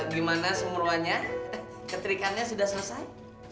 gimana semuruhnya keterikannya sudah selesai